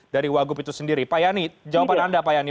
dari wagup itu sendiri pak yani jawaban anda pak yani